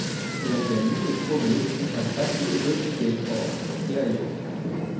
Il organise et promeut des concerts gratuits au Golden Gate Park et ailleurs.